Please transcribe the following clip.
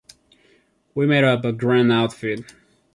We made up a grand outfit.